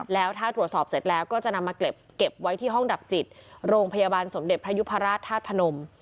แล้วถ้าตรวจสอบเสร็จแล้วก็จะนำมาเก็บไว้ที่ห้องดับจิตโรงพยาบาลสมเด็จพระยุพราชธาตุพนม